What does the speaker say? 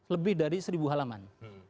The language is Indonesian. lebih dari seribu halaman